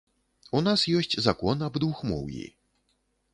У нас ёсць закон аб двухмоўі.